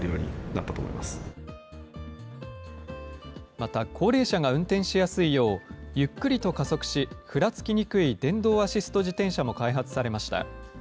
また、高齢者が運転しやすいよう、ゆっくりと加速し、ふらつきにくい電動アシスト自転車も開発されました。